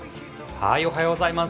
おはようございます。